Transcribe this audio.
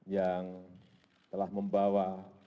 yang telah membawa